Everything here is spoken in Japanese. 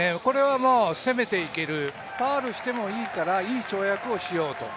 攻めて行ける、ファウルしてもいいからいい跳躍をしていこうと。